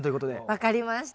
分かりました。